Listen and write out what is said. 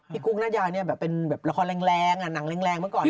พี่กุ๊กน่าจะเป็นหลักฮ่อนแรงจากหนังแหลงเหมือนก่อนนี้